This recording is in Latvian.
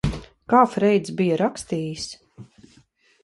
Kā Freids bija rakstījis?